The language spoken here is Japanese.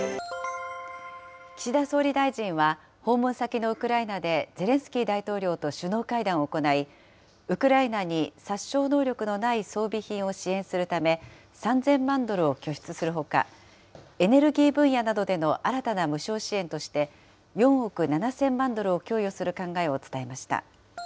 岸田総理大臣は、訪問先のウクライナで、ゼレンスキー大統領と首脳会談を行い、ウクライナに殺傷能力のない装備品を支援するため、３０００万ドルを拠出するほか、エネルギー分野などでの新たな無償支援として、４億７０００万ドルを供与する考えを伝えました。